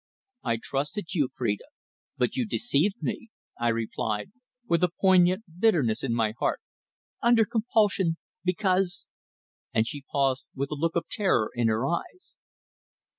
"I trusted you, Phrida, but you deceived me," I replied, with a poignant bitterness in my heart. "Under compulsion. Because " and she paused with a look of terror in her eyes.